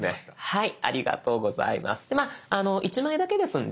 はい。